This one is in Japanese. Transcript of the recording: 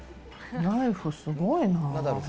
ライフすごいな。